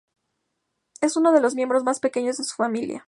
Es uno de los miembros más pequeños de su familia.